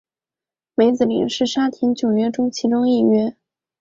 梅子林是沙田九约中其中一约。